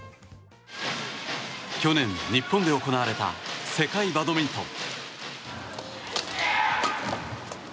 去年、日本で行われた世界バドミントン。